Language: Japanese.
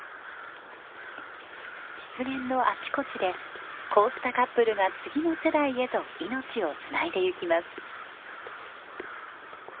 湿原のあちこちでこうしたカップルが次の世代へと命をつないでゆきます。